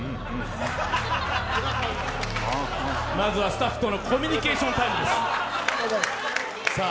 まずはスタッフとのコミュニケーションタイムです。